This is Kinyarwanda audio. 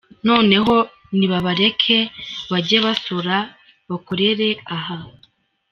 Noneho nibabareke bajye basora bakorere aha.